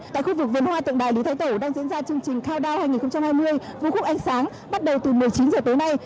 tại khu vực vườn hoa tượng đài lý thái tổ đang diễn ra chương trình kiunday hai nghìn hai mươi vương khúc ánh sáng bắt đầu từ một mươi chín h tối nay